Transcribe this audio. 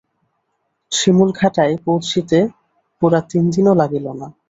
শিমুলঘাটায় পৌঁছিতে পুরা তিন দিনও লাগিল না।